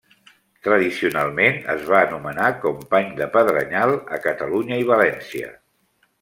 Tradicionalment es va anomenar com pany de pedrenyal a Catalunya i València.